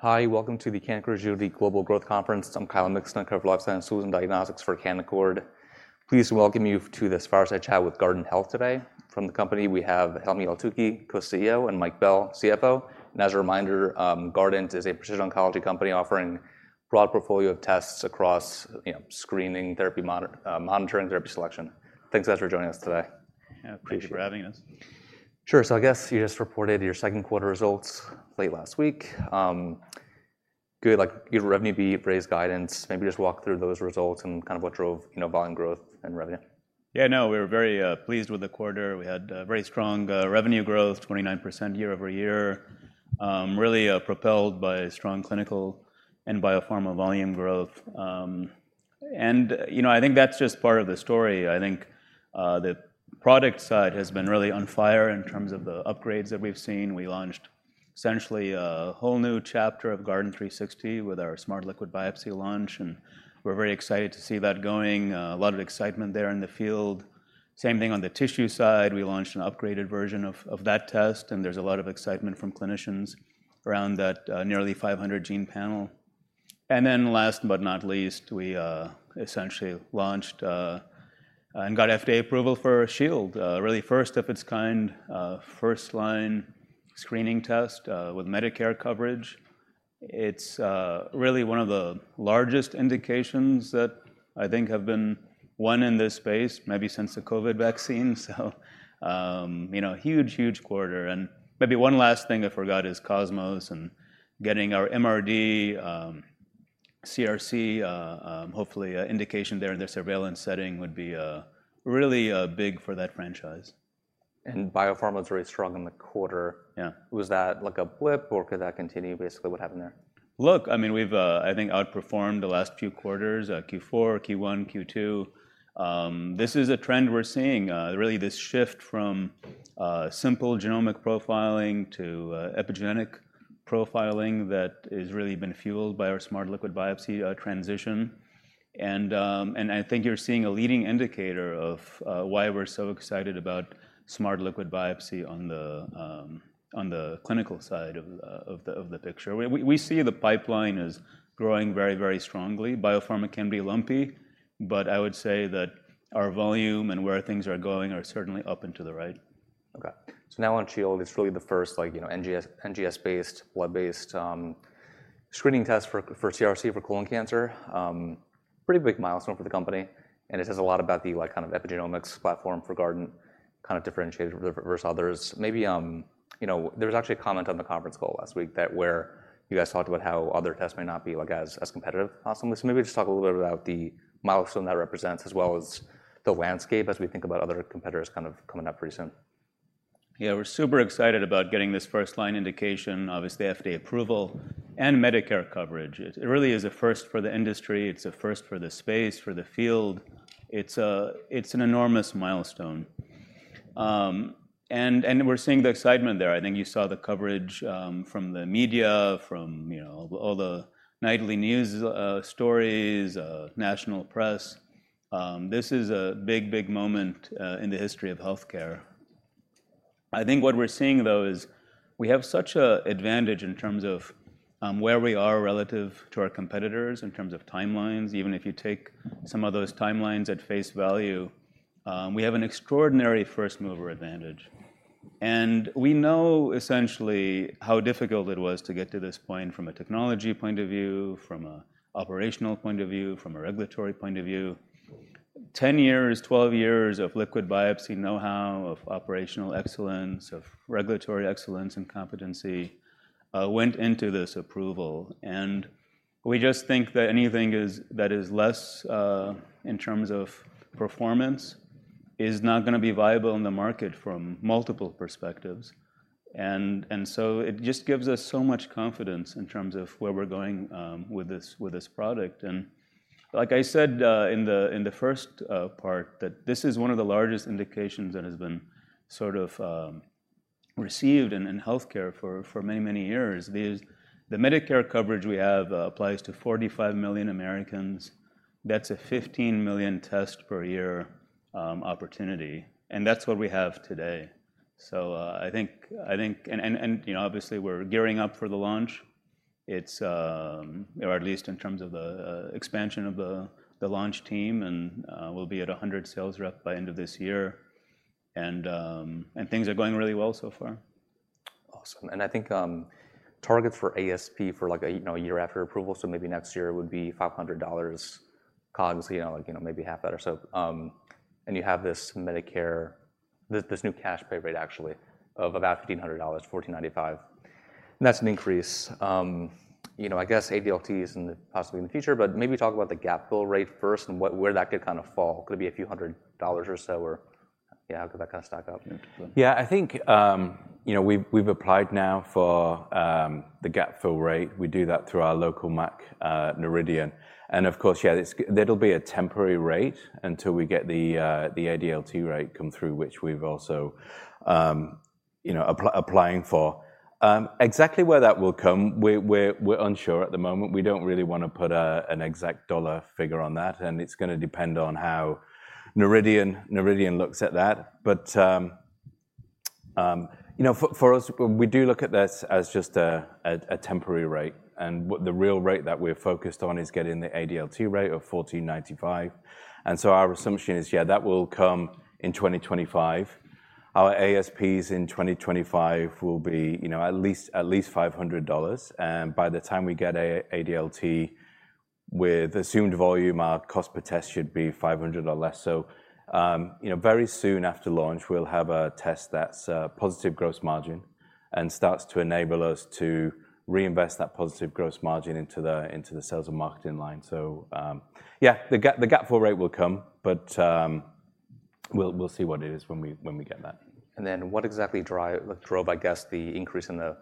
Hi, welcome to the Canaccord Genuity Global Growth Conference. I'm Kyle Mikson, coverage analyst in Tools diagnostics for Canaccord. Please welcome you to this fireside chat with Guardant Health today. From the company, we have Helmy Eltoukhy, Co-CEO, and Mike Bell, CFO. And as a reminder, Guardant is a precision oncology company offering broad portfolio of tests across, you know, screening therapy monitoring therapy selection. Thanks, guys, for joining us today. Yeah. Appreciate you for having us. Sure. So I guess you just reported your second quarter results late last week. Good, like, your revenue beat, raised guidance. Maybe just walk through those results and kind of what drove, you know, volume growth and revenue. Yeah, no, we were very pleased with the quarter. We had very strong revenue growth, 29% year-over-year. Really propelled by strong clinical and Biopharma volume growth. And, you know, I think that's just part of the story. I think the product side has been really on fire in terms of the upgrades that we've seen. We launched essentially a whole new chapter of Guardant360 with our Smart Liquid Biopsy launch, and we're very excited to see that going. A lot of excitement there in the field. Same thing on the tissue side. We launched an upgraded version of that test, and there's a lot of excitement from clinicians around that nearly 500-gene panel. And then last but not least, we essentially launched and got FDA approval for Shield. Really first of its kind, first-line screening test, with Medicare coverage. It's really one of the largest indications that I think have been won in this space, maybe since the COVID vaccine. So, you know, huge, huge quarter. And maybe one last thing I forgot is COSMOS and getting our MRD, CRC, hopefully, an indication there in the surveillance setting would be really big for that franchise. Biopharma was very strong in the quarter. Yeah. Was that like a blip, or could that continue? Basically, what happened there? Look, I mean, we've, I think, outperformed the last few quarters, Q4, Q1, Q2. This is a trend we're seeing, really this shift from simple genomic profiling to epigenetic profiling that has really been fueled by our Smart Liquid Biopsy transition. And, and I think you're seeing a leading indicator of why we're so excited about Smart Liquid Biopsy on the, on the clinical side of the, of the picture. We see the pipeline as growing very, very strongly. Biopharma can be lumpy, but I would say that our volume and where things are going are certainly up and to the right. Okay. So now on Shield, it's really the first, like, you know, NGS, NGS-based, blood-based, screening test for, for CRC, for colon cancer. Pretty big milestone for the company, and it says a lot about the, like, kind of epigenomics platform for Guardant, kind of differentiated versus others. Maybe, you know, there was actually a comment on the conference call last week that where you guys talked about how other tests may not be, like, as, as competitive on some of this. So maybe just talk a little bit about the milestone that represents, as well as the landscape, as we think about other competitors kind of coming up pretty soon. Yeah, we're super excited about getting this first-line indication, obviously FDA approval and Medicare coverage. It really is a first for the industry. It's a first for the space, for the field. It's an enormous milestone. And we're seeing the excitement there. I think you saw the coverage from the media, from, you know, all the nightly news stories, national press. This is a big, big moment in the history of healthcare. I think what we're seeing, though, is we have such a advantage in terms of where we are relative to our competitors in terms of timelines, even if you take some of those timelines at face value, we have an extraordinary first-mover advantage. We know essentially how difficult it was to get to this point from a technology point of view, from an operational point of view, from a regulatory point of view. 10 years, 12 years of liquid biopsy know-how, of operational excellence, of regulatory excellence and competency went into this approval, and we just think that anything that is less in terms of performance is not gonna be viable in the market from multiple perspectives. And so it just gives us so much confidence in terms of where we're going with this product. And like I said, in the first part, that this is one of the largest indications that has been sort of received in healthcare for many years. The Medicare coverage we have applies to 45 million Americans. That's a 15 million test per year opportunity, and that's what we have today. So, I think, and, you know, obviously we're gearing up for the launch. It's or at least in terms of the expansion of the launch team, and we'll be at 100 sales rep by end of this year, and things are going really well so far. Awesome. I think, targets for ASP for, like, a, you know, a year after approval, so maybe next year, would be $500, obviously, you know, like, you know, maybe half that or so. And you have this Medicare, this new cash pay rate, actually, of about $1,500-$1,495, and that's an increase. You know, I guess ADLT is in the, possibly in the future, but maybe talk about the gap fill rate first and what, where that could kind of fall. Could it be a few hundred dollars or so, or, yeah, how could that kind of stack up? Yeah, I think, you know, we've applied now for the gap fill rate. We do that through our local MAC, Noridian, and of course, yeah, it's, that'll be a temporary rate until we get the ADLT rate come through, which we've also applying for. Exactly where that will come, we're unsure at the moment. We don't really want to put an exact dollar figure on that, and it's gonna depend on how Noridian looks at that. But, you know, for us, we do look at this as just a temporary rate, and what the real rate that we're focused on is getting the ADLT rate of $1,495. And so our assumption is, yeah, that will come in 2025. Our ASPs in 2025 will be, you know, at least $500, and by the time we get a ADLT with assumed volume, our cost per test should be $500 or less. So, you know, very soon after launch, we'll have a test that's positive gross margin, and starts to enable us to reinvest that positive gross margin into the sales and marketing line. So, yeah, the gap fill rate will come, but, we'll see what it is when we get that. And then what exactly drove, I guess, the increase in the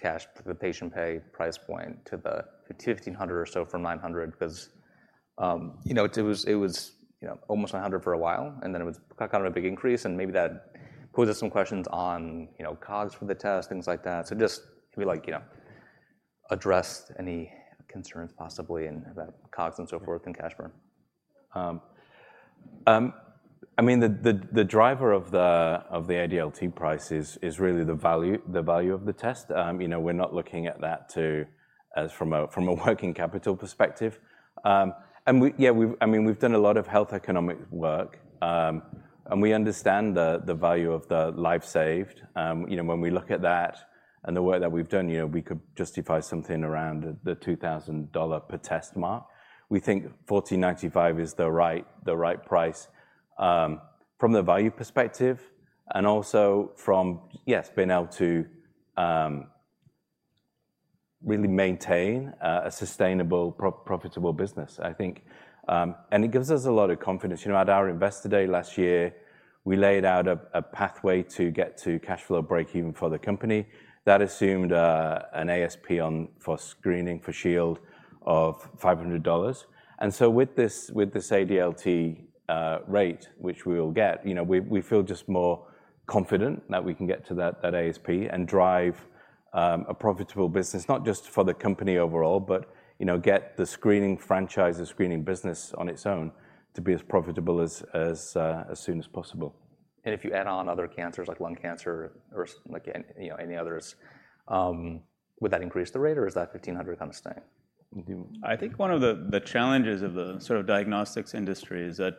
cash, the patient pay price point to the $1,500 or so from $900? Because, you know, it was, it was, you know, almost $100 for a while, and then it was kind of a big increase, and maybe that poses some questions on, you know, costs for the test, things like that. So just maybe like, you know, address any concerns possibly in the costs and so forth, and cash burn. I mean, the driver of the ADLT price is really the value of the test. You know, we're not looking at that as from a working capital perspective. And yeah, I mean, we've done a lot of health economic work, and we understand the value of the life saved. You know, when we look at that and the work that we've done, you know, we could justify something around the $2000 per test mark. We think $1495 is the right price from the value perspective, and also from yes, being able to really maintain a sustainable profitable business, I think. And it gives us a lot of confidence. You know, at our Investor Day last year, we laid out a pathway to get to cash flow breakeven for the company. That assumed an ASP on, for screening, for Shield of $500. And so with this ADLT rate, which we will get, you know, we feel just more confident that we can get to that ASP and drive a profitable business, not just for the company overall, but, you know, get the screening franchise, the screening business on its own to be as profitable as soon as possible. If you add on other cancers, like lung cancer or like, any, you know, any others, would that increase the rate, or is that 1500 kind of staying? Do you- I think one of the challenges of the sort of diagnostics industry is that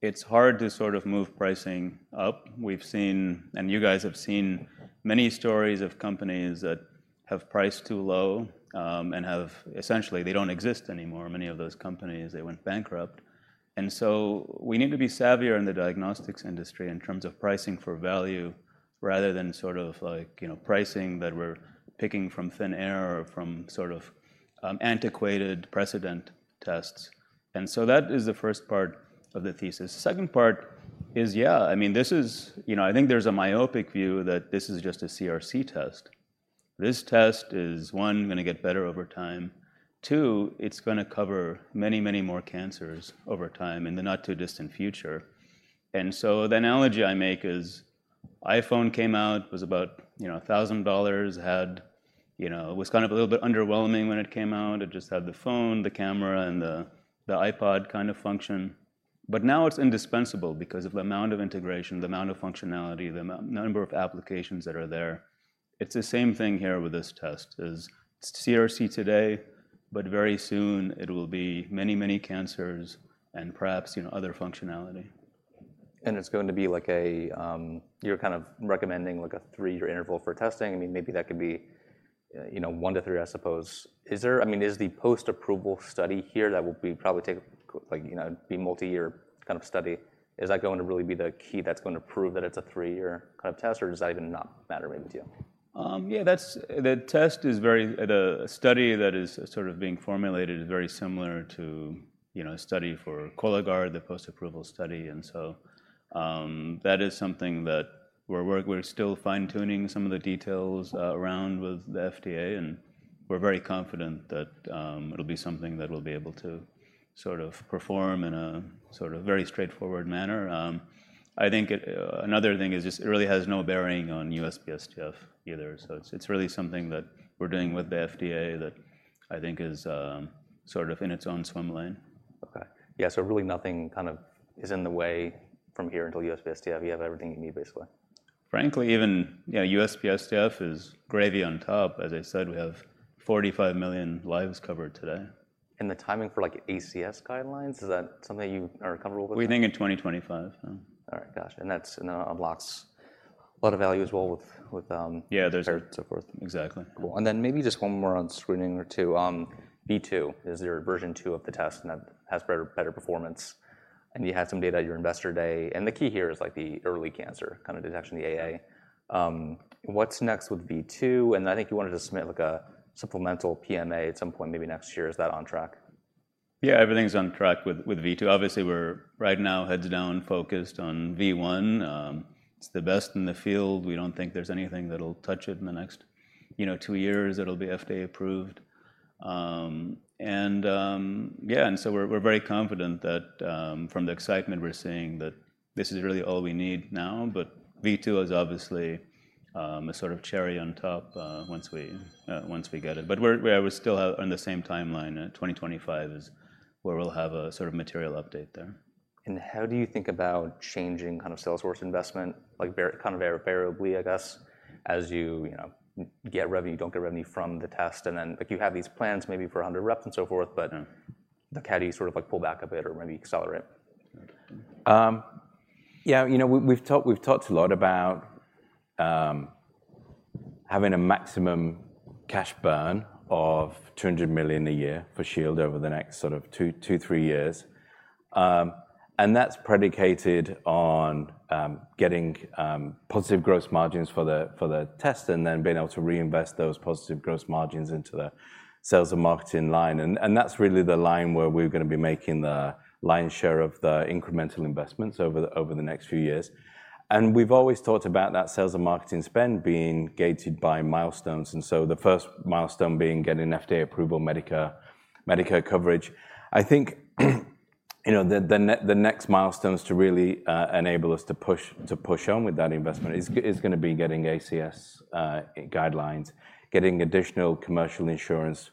it's hard to sort of move pricing up. We've seen, and you guys have seen many stories of companies that have priced too low, and have essentially, they don't exist anymore, many of those companies, they went bankrupt. And so we need to be savvier in the diagnostics industry in terms of pricing for value, rather than sort of like, you know, pricing that we're picking from thin air or from sort of, antiquated precedent tests. And so that is the first part of the thesis. The second part is, yeah, I mean, this is... You know, I think there's a myopic view that this is just a CRC test. This test is, one, gonna get better over time. Two, it's gonna cover many, many more cancers over time in the not-too-distant future. So the analogy I make is, iPhone came out, it was about, you know, $1,000, had, you know, it was kind of a little bit underwhelming when it came out. It just had the phone, the camera, and the, the iPod kind of function. But now it's indispensable because of the amount of integration, the amount of functionality, the number of applications that are there. It's the same thing here with this test. It is CRC today, but very soon it will be many, many cancers and perhaps, you know, other functionality. And it's going to be like a, You're kind of recommending, like, a three-year interval for testing. I mean, maybe that could be, you know, one to three, I suppose. Is there, I mean, is the post-approval study here that will be probably take, like, you know, be multi-year kind of study, is that going to really be the key that's going to prove that it's a three-year kind of test, or does that even not matter to you? Yeah, that's... The test is very, the study that is sort of being formulated is very similar to, you know, a study for Cologuard, the post-approval study. And so, that is something that we're still fine-tuning some of the details around with the FDA, and we're very confident that, it'll be something that we'll be able to sort of perform in a sort of very straightforward manner. I think, another thing is just it really has no bearing on USPSTF either. So it's, it's really something that we're doing with the FDA that I think is, sort of in its own swim lane. Okay. Yeah, so really nothing kind of is in the way from here until USPSTF. You have everything you need, basically? Frankly, even, yeah, USPSTF is gravy on top. As I said, we have 45 million lives covered today. The timing for, like, ACS guidelines, is that something that you are comfortable with? We think in 2025, yeah. All right, gotcha. And that's, you know, unlocks a lot of value as well with, Yeah, there's- So forth. Exactly. Cool. And then maybe just one more on screening or two. V2, is there a version two of the test that has better, better performance? And you had some data at your Investor Day, and the key here is, like, the early cancer kind of detection, the AA. What's next with V2? And I think you wanted to submit, like, a supplemental PMA at some point, maybe next year. Is that on track? Yeah, everything's on track with V2. Obviously, we're right now heads down, focused on V1. It's the best in the field. We don't think there's anything that'll touch it in the next, you know, two years. It'll be FDA approved. And yeah, and so we're very confident that from the excitement we're seeing, that this is really all we need now. But V2 is obviously a sort of cherry on top once we get it. But we're still on the same timeline. 2025 is where we'll have a sort of material update there.... And how do you think about changing kind of sales force investment, like, very, kind of, variably, I guess, as you, you know, get revenue, don't get revenue from the test? And then, like, you have these plans maybe for 100 reps and so forth- Mm. But like, how do you sort of, like, pull back a bit or maybe accelerate? Yeah, you know, we, we've talked, we've talked a lot about having a maximum cash burn of $200 million a year for Shield over the next sort of two, two, three years. And that's predicated on getting positive gross margins for the test, and then being able to reinvest those positive gross margins into the sales and marketing line. And that's really the line where we're gonna be making the lion's share of the incremental investments over the next few years. And we've always talked about that sales and marketing spend being gated by milestones, and so the first milestone being getting FDA approval, Medicare, Medicare coverage. I think, you know, the next milestones to really enable us to push on with that investment is gonna be getting ACS guidelines, getting additional commercial insurance,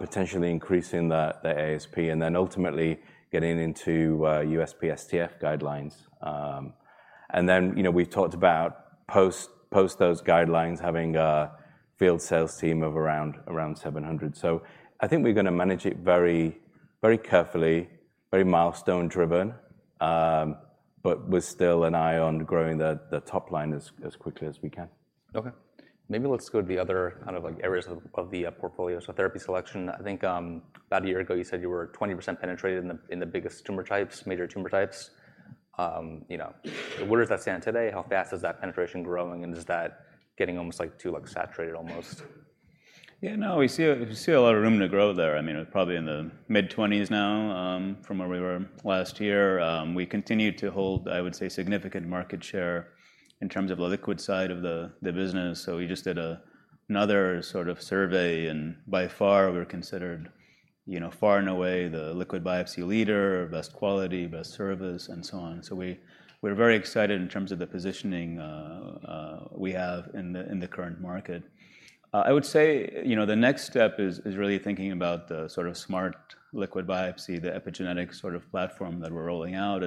potentially increasing the ASP, and then ultimately getting into USPSTF guidelines. And then, you know, we've talked about post those guidelines, having a field sales team of around 700. So I think we're gonna manage it very carefully, very milestone-driven, but with still an eye on growing the top line as quickly as we can. Okay. Maybe let's go to the other kind of like areas of the portfolio. So therapy selection, I think, about a year ago, you said you were 20% penetrated in the biggest tumor types, major tumor types. You know, where does that stand today? How fast is that penetration growing, and is that getting almost, like, too, like, saturated almost? Yeah, no, we see a lot of room to grow there. I mean, we're probably in the mid-20s now, from where we were last year. We continue to hold, I would say, significant market share in terms of the liquid side of the business. So we just did another sort of survey, and by far, we're considered, you know, far and away, the liquid biopsy leader, best quality, best service, and so on. So we're very excited in terms of the positioning we have in the current market. I would say, you know, the next step is really thinking about the sort of smart liquid biopsy, the epigenetic sort of platform that we're rolling out.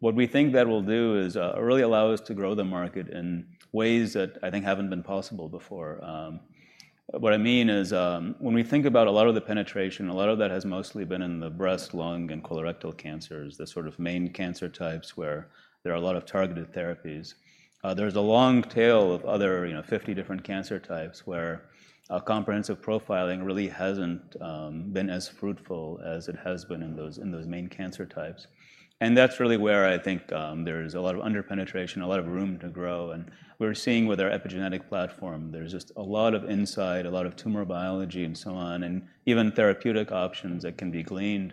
What we think that will do is really allow us to grow the market in ways that I think haven't been possible before. What I mean is, when we think about a lot of the penetration, a lot of that has mostly been in the breast, lung, and colorectal cancers, the sort of main cancer types where there are a lot of targeted therapies. There's a long tail of other, you know, 50 different cancer types, where a comprehensive profiling really hasn't been as fruitful as it has been in those, in those main cancer types. And that's really where I think, there's a lot of under-penetration, a lot of room to grow, and we're seeing with our epigenetic platform, there's just a lot of insight, a lot of tumor biology and so on. Even therapeutic options that can be gleaned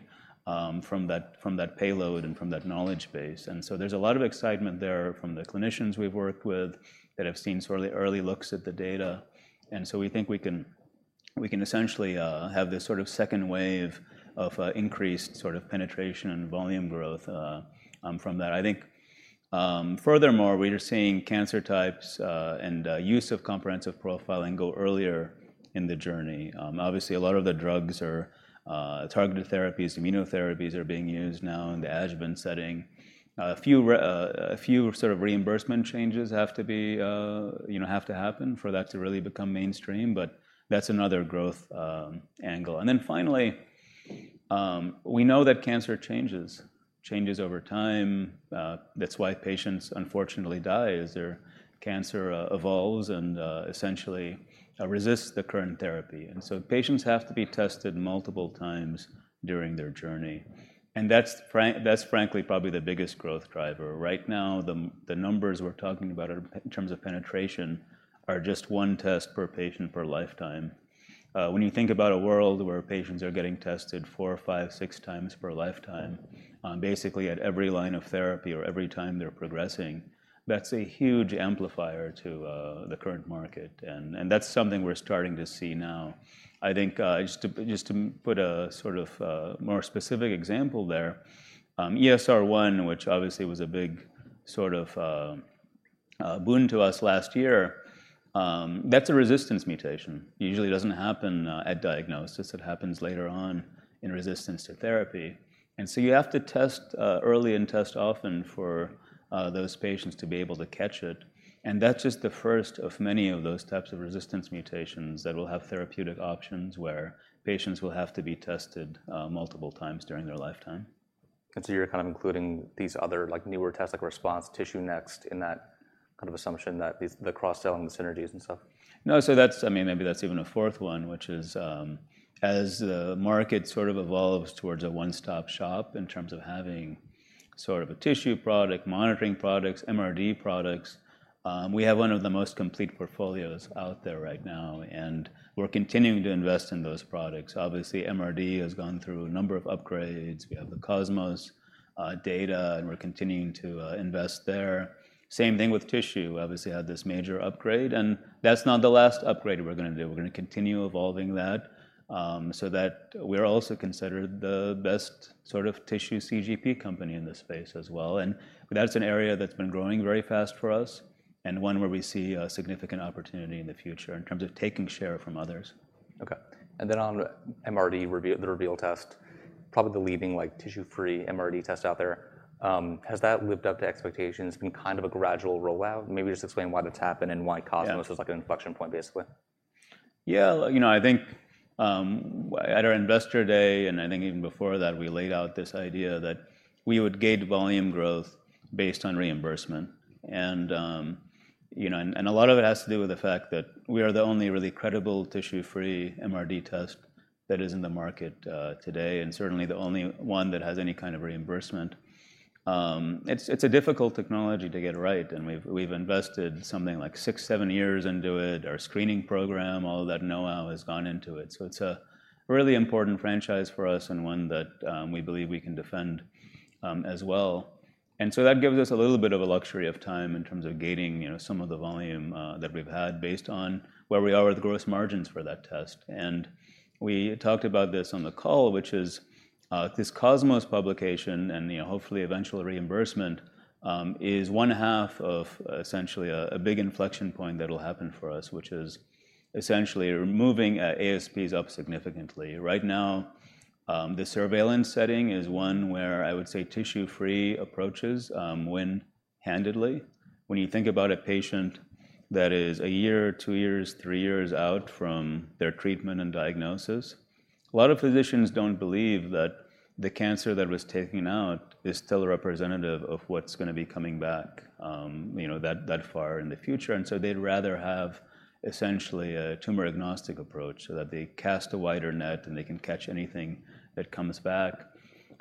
from that, from that payload and from that knowledge base. So there's a lot of excitement there from the clinicians we've worked with that have seen sort of the early looks at the data, and so we think we can essentially have this sort of second wave of increased sort of penetration and volume growth from that. I think furthermore, we are seeing cancer types and use of comprehensive profiling go earlier in the journey. Obviously, a lot of the drugs are targeted therapies. Immunotherapies are being used now in the adjuvant setting. A few sort of reimbursement changes have to be, you know, have to happen for that to really become mainstream, but that's another growth angle. Then finally, we know that cancer changes over time. That's why patients unfortunately die, is their cancer evolves and essentially resists the current therapy. And so patients have to be tested multiple times during their journey, and that's frankly probably the biggest growth driver. Right now, the numbers we're talking about in terms of penetration are just 1 test per patient, per lifetime. When you think about a world where patients are getting tested 4, 5, 6 times per lifetime, basically at every line of therapy or every time they're progressing, that's a huge amplifier to the current market, and that's something we're starting to see now. I think, just to, just to put a sort of, more specific example there, ESR1, which obviously was a big sort of, boon to us last year, that's a resistance mutation. Usually, it doesn't happen, at diagnosis. It happens later on in resistance to therapy, and so you have to test, early and test often for, those patients to be able to catch it. And that's just the first of many of those types of resistance mutations that will have therapeutic options, where patients will have to be tested, multiple times during their lifetime. And so you're kind of including these other, like, newer tests, like Response, TissueNext, in that kind of assumption that these, the cross-selling, the synergies and stuff? No, so that's, I mean, maybe that's even a fourth one, which is, as the market sort of evolves towards a one-stop shop in terms of having sort of a tissue product, monitoring products, MRD products, we have one of the most complete portfolios out there right now, and we're continuing to invest in those products. Obviously, MRD has gone through a number of upgrades. We have the COSMOS data, and we're continuing to invest there. Same thing with tissue. Obviously, had this major upgrade, and that's not the last upgrade we're gonna do. We're gonna continue evolving that, so that we're also considered the best sort of tissue CGP company in this space as well. And that's an area that's been growing very fast for us and one where we see a significant opportunity in the future in terms of taking share from others.... Okay, and then on MRD Reveal, the Reveal test, probably the leading like tissue-free MRD test out there, has that lived up to expectations? It's been kind of a gradual rollout. Maybe just explain why that's happened and why COSMOS- Yeah. was like an inflection point, basically. Yeah, you know, I think, at our Investor Day, and I think even before that, we laid out this idea that we would gauge volume growth based on reimbursement. And, you know, a lot of it has to do with the fact that we are the only really credible tissue-free MRD test that is in the market, today, and certainly the only one that has any kind of reimbursement. It's a difficult technology to get it right, and we've invested something like 6-7 years into it. Our screening program, all of that know-how has gone into it, so it's a really important franchise for us and one that, we believe we can defend, as well. And so that gives us a little bit of a luxury of time in terms of gaining, you know, some of the volume that we've had, based on where we are with the gross margins for that test. We talked about this on the call, which is, this COSMOS publication and, you know, hopefully eventual reimbursement is one half of essentially a big inflection point that will happen for us, which is essentially moving ASPs up significantly. Right now, the surveillance setting is one where I would say tissue-free approaches win handily. When you think about a patient that is 1 year, 2 years, 3 years out from their treatment and diagnosis, a lot of physicians don't believe that the cancer that was taken out is still representative of what's going to be coming back, you know, that, that far in the future. And so they'd rather have essentially a tumor-agnostic approach, so that they cast a wider net, and they can catch anything that comes back.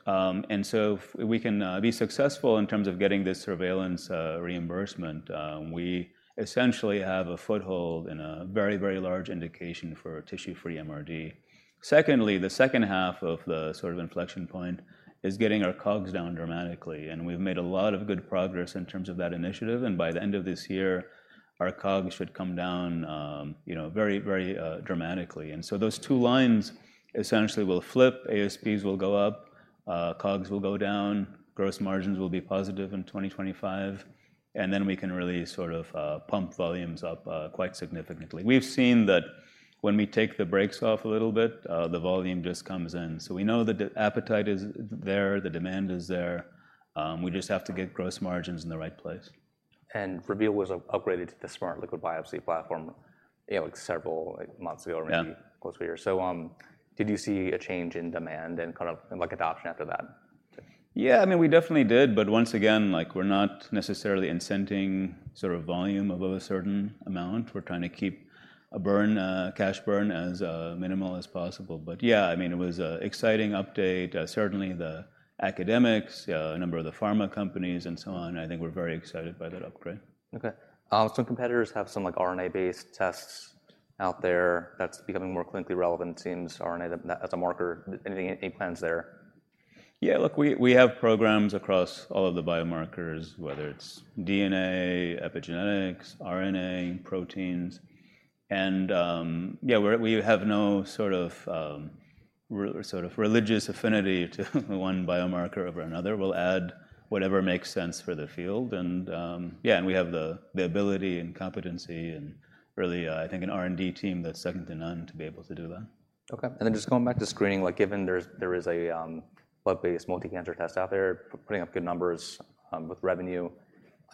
And so if we can be successful in terms of getting this surveillance reimbursement, we essentially have a foothold in a very, very large indication for tissue-free MRD. Secondly, the second half of the sort of inflection point is getting our COGS down dramatically, and we've made a lot of good progress in terms of that initiative, and by the end of this year, our COGS should come down, you know, very, very dramatically. And so those two lines essentially will flip, ASPs will go up, COGS will go down, gross margins will be positive in 2025, and then we can really sort of pump volumes up quite significantly. We've seen that when we take the brakes off a little bit, the volume just comes in. So we know that the appetite is there, the demand is there, we just have to get gross margins in the right place. Reveal was upgraded to the Smart Liquid Biopsy platform, you know, like several, like, months ago already. Yeah. or close to a year. So, did you see a change in demand and kind of, and like adoption after that? Yeah, I mean, we definitely did, but once again, like, we're not necessarily incenting sort of volume above a certain amount. We're trying to keep a burn, cash burn as minimal as possible. But yeah, I mean, it was an exciting update. Certainly the academics, a number of the pharma companies and so on, I think were very excited by that upgrade. Okay, some competitors have some, like, RNA-based tests out there that's becoming more clinically relevant, it seems, RNA, that, as a marker. Anything, any plans there? Yeah, look, we have programs across all of the biomarkers, whether it's DNA, epigenetics, RNA, proteins, and yeah, we have no sort of religious affinity to one biomarker over another. We'll add whatever makes sense for the field, and yeah, and we have the ability and competency and really I think an R&D team that's second to none to be able to do that. Okay, and then just going back to screening, like, given there's a blood-based multi-cancer test out there putting up good numbers with revenue,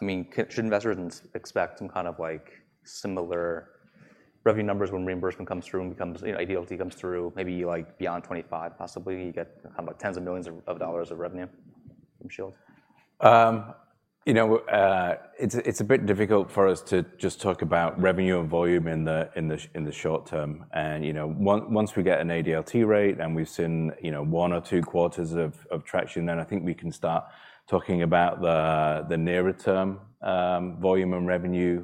I mean, should investors expect some kind of like similar revenue numbers when reimbursement comes through and becomes, you know, ADLT comes through, maybe like beyond 25, possibly, you get how about tens of millions of dollars of revenue from Shield? You know, it's a bit difficult for us to just talk about revenue and volume in the short term. And, you know, once we get an ADLT rate, and we've seen, you know, one or two quarters of traction, then I think we can start talking about the nearer-term volume and revenue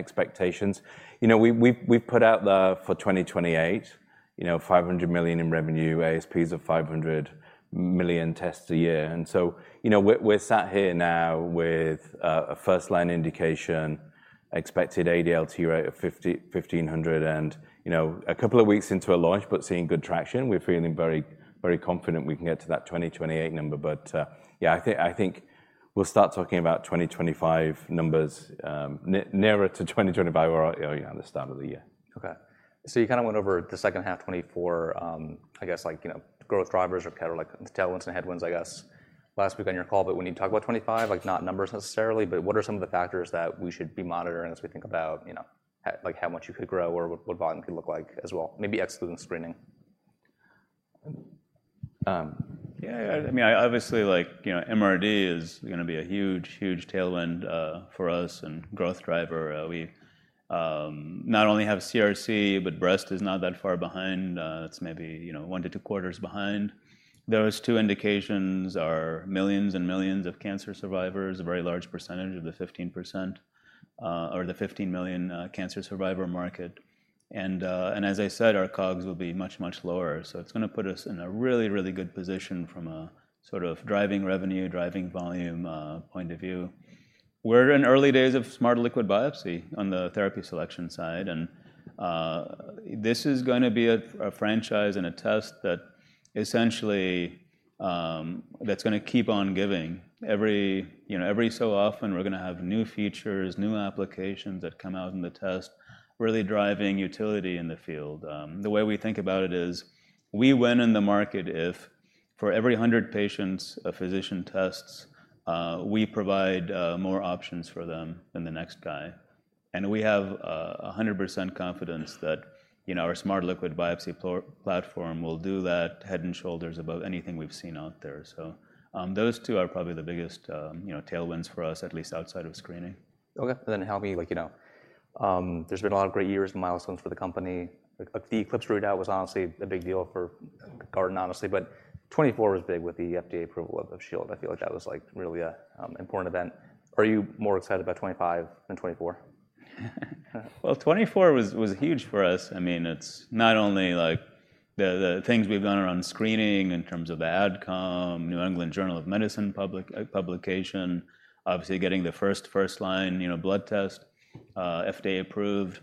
expectations. You know, we've put out for 2028, you know, $500 million in revenue, ASPs of 500 million tests a year, and so, you know, we're sat here now with a first-line indication, expected ADLT rate of $1,500, and, you know, a couple of weeks into a launch, but seeing good traction. We're feeling very, very confident we can get to that 2028 number, but, I think, I think we'll start talking about 2025 numbers, nearer to 2025 or, the start of the year. Okay. So you kind of went over the second half 2024, I guess, like, you know, growth drivers or kind of like the tailwinds and headwinds, I guess, last week on your call, but when you talk about 2025, like, not numbers necessarily, but what are some of the factors that we should be monitoring as we think about, you know, how, like how much you could grow or what, what volume could look like as well, maybe excluding screening? Yeah, I mean, obviously, like, you know, MRD is going to be a huge, huge tailwind for us and growth driver. We not only have CRC, but breast is not that far behind. It's maybe, you know, 1-2 quarters behind. Those two indications are millions and millions of cancer survivors, a very large percentage of the 15% or the 15 million cancer survivor market. And as I said, our COGS will be much, much lower, so it's going to put us in a really, really good position from a sort of driving revenue, driving volume point of view. We're in early days of Smart Liquid Biopsy on the therapy selection side, and this is going to be a franchise and a test that essentially that's going to keep on giving. Every so often, we're going to have new features, new applications that come out in the test, really driving utility in the field. The way we think about it is, we win in the market if for every 100 patients a physician tests, we provide more options for them than the next guy, and we have a 100% confidence that, you know, our Smart Liquid Biopsy platform will do that, head and shoulders above anything we've seen out there. So, those two are probably the biggest, you know, tailwinds for us, at least outside of screening. Okay, and then how many, like, you know? There's been a lot of great years and milestones for the company. Like, the ECLIPSE readout was honestly a big deal for Guardant, honestly, but 2024 was big with the FDA approval of Shield. I feel like that was, like, really a important event. Are you more excited about 2025 than 2024? Well, 2024 was, was huge for us. I mean, it's not only like the, the things we've done around screening in terms of the AdCom, New England Journal of Medicine publication, obviously getting the first, first-line, you know, blood test FDA approved.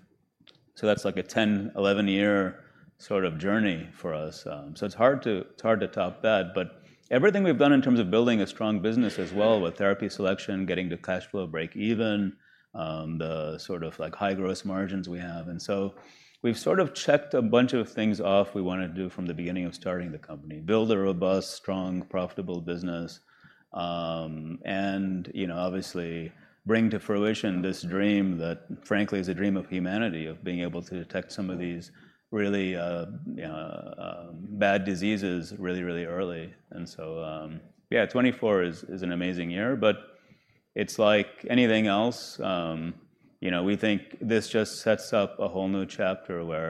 So that's like a 10-11-year sort of journey for us, so it's hard to, it's hard to top that. But everything we've done in terms of building a strong business as well, with therapy selection, getting to cash flow break even, the sort of like high gross margins we have, and so we've sort of checked a bunch of things off we want to do from the beginning of starting the company, build a robust, strong, profitable business. And, you know, obviously bring to fruition this dream that, frankly, is a dream of humanity, of being able to detect some of these really bad diseases really, really early. And so, yeah, 2024 is an amazing year, but it's like anything else. You know, we think this just sets up a whole new chapter where-